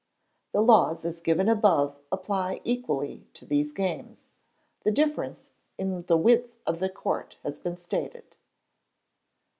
The laws as given above apply equally to these games. The difference in the width of the court has been stated.